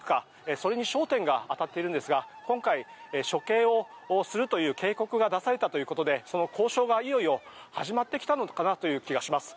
それに焦点が当たっているんですが今回、処刑をするという警告が出されたということでその交渉がいよいよ始まってきたのかなという気がします。